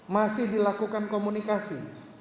masih dilakukan komunikasi